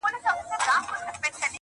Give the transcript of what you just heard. هوسۍ ولاړه يوې ليري كنډوالې ته!!